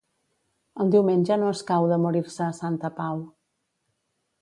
El diumenge no escau de morir-se a Santa Pau.